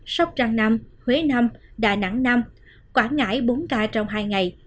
sóc trăng năm huế năm đà nẵng năm quảng ngãi bốn ca trong hai ngày